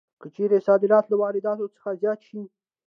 که چېرې صادرات له وارداتو څخه زیات شي